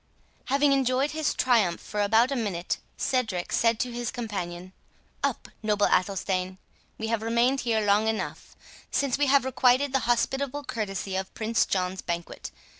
Having enjoyed his triumph for about a minute, Cedric said to his companion, "Up, noble Athelstane! we have remained here long enough, since we have requited the hospitable courtesy of Prince John's banquet.